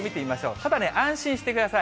ただね、安心してください。